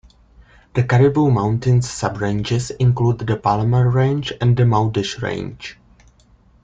The Cariboo Mountains subranges include the Palmer Range and the Mowdish Range.